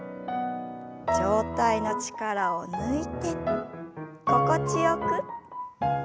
上体の力を抜いて心地よく。